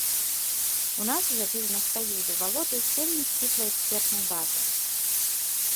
У нас жа бізнес-саюзы валодаюць вельмі сціплай экспертнай базай.